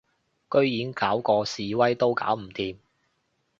居然搞嗰示威都搞唔掂